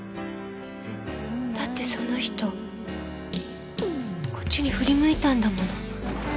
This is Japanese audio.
だってその人こっちに振り向いたんだもの。